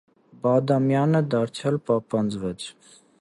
Բադամյանը դարձյալ պապանձվեց: